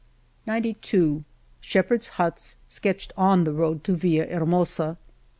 , gi Shepherds^ huts, sketched on the roculto Villahermosa, .